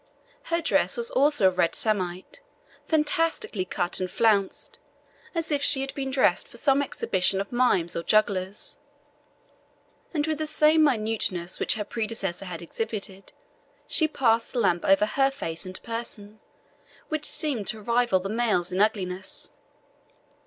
Her dress was also of red samite, fantastically cut and flounced, as if she had been dressed for some exhibition of mimes or jugglers; and with the same minuteness which her predecessor had exhibited, she passed the lamp over her face and person, which seemed to rival the male's in ugliness.